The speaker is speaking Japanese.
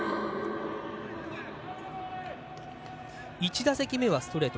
１打席目はストレート